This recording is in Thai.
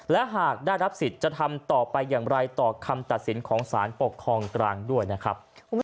และหากได้รับสิทธิ์จะทำต่อไปอย่างไรต่อคำตัดสินของสารปกครองกลางด้วยนะครับ